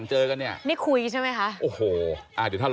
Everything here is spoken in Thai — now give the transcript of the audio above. ผมถูกรบกวนและยังไม่ให้ผมอธิบายด้วยนะครับ